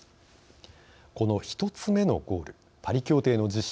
この１つ目のゴールパリ協定の実施